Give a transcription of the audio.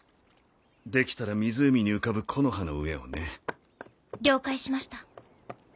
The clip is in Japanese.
できたら湖に浮かぶ木の葉の上をね。了解しました。